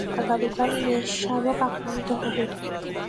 আগামীকাল মেষশাবক আক্রান্ত হবে।